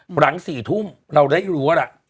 หลัง๔ทุ่มเราได้รู้ว่าล่ะ